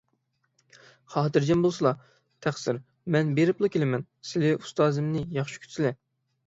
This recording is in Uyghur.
خاتىرجەم بولسىلا، تەقسىر. مەن بېرىپلا كېلىمەن، سىلى ئۇستازىمنى ياخشى كۈتسىلە.